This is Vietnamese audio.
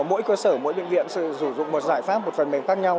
mỗi cơ sở mỗi bệnh viện sẽ dùng một giải pháp một phần mềm khác nhau